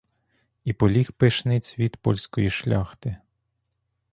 І поліг пишний цвіт польської шляхти!